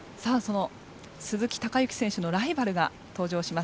鈴木孝幸選手のライバルが登場します